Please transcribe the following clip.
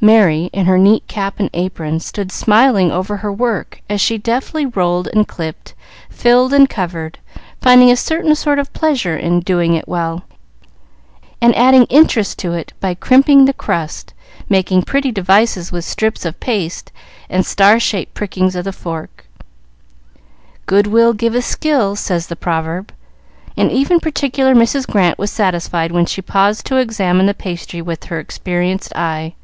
Merry, in her neat cap and apron, stood smiling over her work as she deftly rolled and clipped, filled and covered, finding a certain sort of pleasure in doing it well, and adding interest to it by crimping the crust, making pretty devices with strips of paste and star shaped prickings of the fork. "Good will giveth skill," says the proverb, and even particular Mrs. Grant was satisfied when she paused to examine the pastry with her experienced eye.